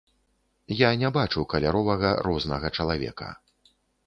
Я не бачу каляровага рознага чалавека.